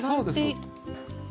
そうです。